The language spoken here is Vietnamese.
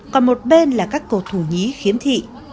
còn một bên là các cầu thủ nhí khiếm thị